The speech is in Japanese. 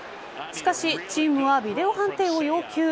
しかしチームはビデオ判定を要求。